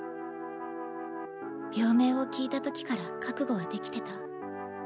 病名を聞いたときから覚悟はできてた。